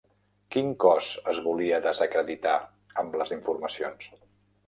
Quin cos es volia desacreditar amb les informacions?